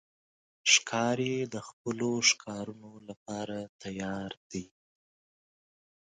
ښکاري د خپلو ښکارونو لپاره تیار دی.